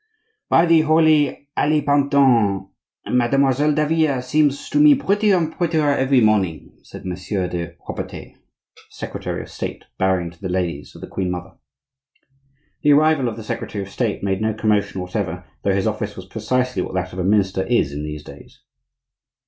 "By the holy Alipantin! Mademoiselle Davila seems to me prettier and prettier every morning," said Monsieur de Robertet, secretary of State, bowing to the ladies of the queen mother. The arrival of the secretary of State made no commotion whatever, though his office was precisely what that of a minister is in these days.